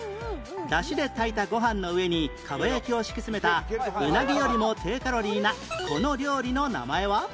ダシで炊いたご飯の上に蒲焼きを敷き詰めたウナギよりも低カロリーなこの料理の名前は？